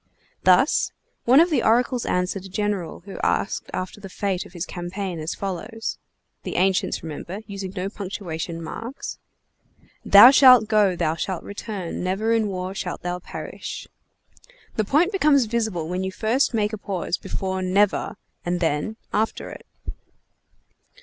Thus, one of the oracles answered a general who asked after the fate of his campaign as follows: (the ancients, remember, using no punctuation marks) "Thou shalt go thou shalt return never in war shalt thou perish." The point becomes visible when you first make a pause before "never," and then after it.